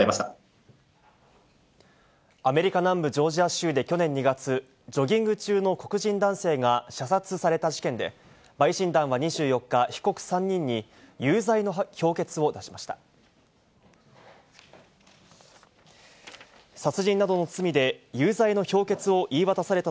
アメリカ南部ジョージア州で去年２月、ジョギング中の黒人男性が射殺された事件で、陪審団は２４日、被告３人に有罪の評決を出しました。